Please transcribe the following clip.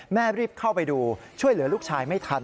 รีบเข้าไปดูช่วยเหลือลูกชายไม่ทัน